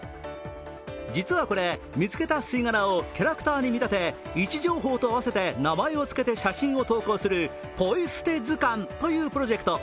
実はこれ、見つけた吸い殻をキャラクターに見立て位置情報を合わせて名前をつけて写真を投稿するポイ捨て図鑑というプロジェクト。